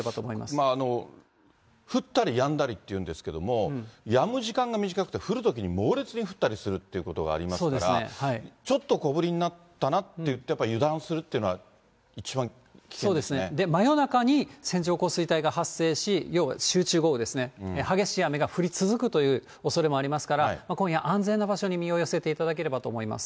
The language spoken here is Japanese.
だからまあ、降ったりやんだりっていうんですけれども、やむ時間が短くて降るときに猛烈に降ったりするってことがありますからちょっと小降りになったなっていって、油断するっていうの真夜中に線状降水帯が発生し、要は集中豪雨ですね、激しい雨が降り続くというおそれもありますから、今夜、安全な場所に身を寄せていただければと思います。